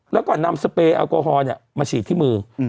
แล้วก็นำสเปรยแอลกอฮอลมาฉีดที่มือ